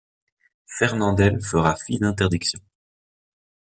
Fernandel fera fi d'interdictions.